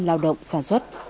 lao động sản xuất